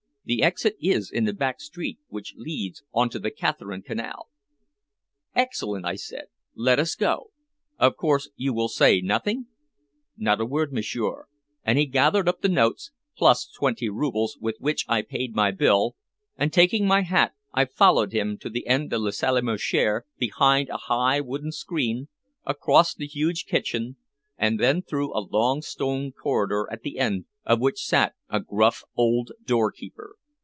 The exit is in a back street which leads on to the Catherine Canal." "Excellent!" I said. "Let us go. Of course you will say nothing?" "Not a word, m'sieur," and he gathered up the notes plus twenty roubles with which I paid my bill, and taking my hat I followed him to the end of the salle à manger behind a high wooden screen, across the huge kitchen, and then through a long stone corridor at the end of which sat a gruff old doorkeeper.